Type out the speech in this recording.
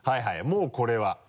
もうこれは。